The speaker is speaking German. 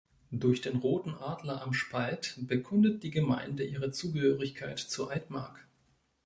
Durch den roten Adler am Spalt bekundet die Gemeinde ihre Zugehörigkeit zur Altmark.